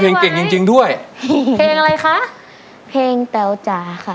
เก่งจริงจริงด้วยเพลงอะไรคะเพลงแต๋วจ๋าค่ะ